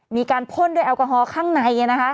มีการพ่นด้วยแอลกอฮอล์ข้างในนะคะ